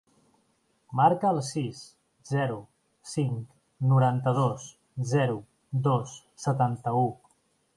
Marca el sis, zero, cinc, noranta-dos, zero, dos, setanta-u.